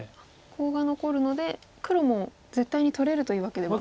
コウが残るので黒も絶対に取れるというわけでは。